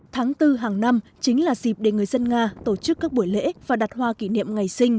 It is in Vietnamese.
tháng bốn hàng năm chính là dịp để người dân nga tổ chức các buổi lễ và đặt hoa kỷ niệm ngày sinh